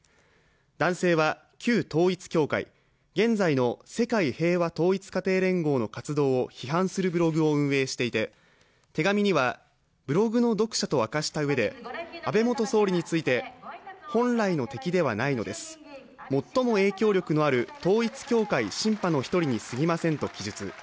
男性は旧統一教会、現在の世界平和統一家庭連合の活動を批判するブログを運営していて手紙にはブログの読者と明かしたうえで安倍元総理について、本来の敵ではないのです、最も影響力のある統一教会シンパの一人にすぎませんと記述。